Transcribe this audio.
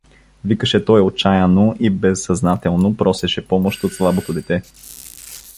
— викаше той отчаяно и безсъзнателно просеше помощ от слабото дете.